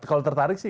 kalau tertarik sih